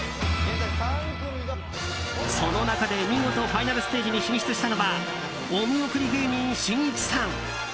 その中で見事ファイナルステージに進出したのはお見送り芸人しんいちさん。